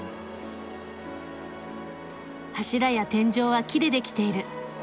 柱や天井は木で出来ている。